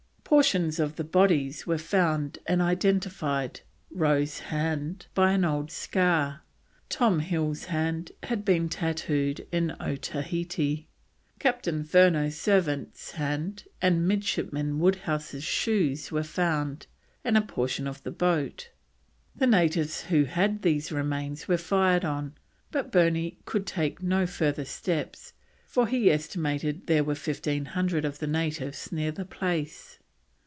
Portions of the bodies were found and identified Rowe's hand, by an old scar, Thomas Hill's hand, had been tattooed in Otaheite; Captain Furneaux's servant's hand; and midshipman Woodhouse's shoes were found, and a portion of the boat. The natives who had these remains were fired on, but Burney could take no further steps, for he estimated there were fifteen hundred of the natives near the place.